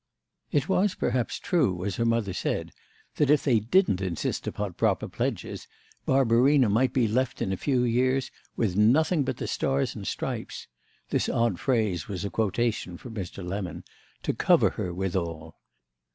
It was perhaps true, as her mother said, that if they didn't insist upon proper pledges Barbarina might be left in a few years with nothing but the stars and stripes—this odd phrase was a quotation from Mr. Lemon—to cover her withal.